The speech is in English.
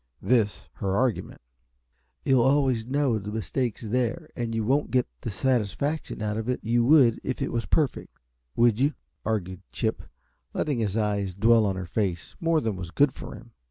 This, her argument. "You'll always know the mistake's there, and you won't get the satisfaction out of it you would if it was perfect, would you?" argued Chip, letting his eyes dwell on her face more than was good for him.